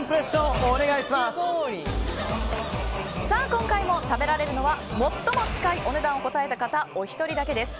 今回も食べられるのは最も近いお値段を答えた方お一人だけです。